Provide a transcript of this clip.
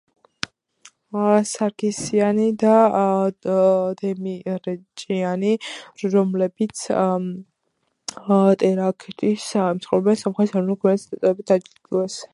სარქისიანი და დემირჭიანი, რომლებიც ტერაქტს ემსხვერპლნენ სომხეთის ეროვნული გმირის წოდებებით დააჯილდოვეს.